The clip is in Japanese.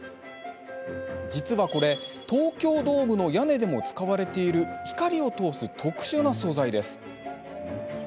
実はこれ、東京ドームの屋根でも使われている光を通す特殊な素材です。